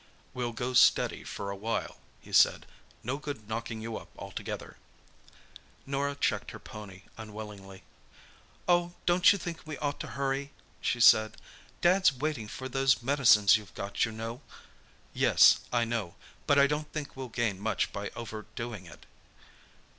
"We'll go steady for a while," he said. "No good knocking you up altogether." Norah checked her pony unwillingly. "Oh, don't you think we ought to hurry?" she said. "Dad's waiting for those medicines you've got, you know." "Yes, I know. But I don't think we'll gain much by overdoing it."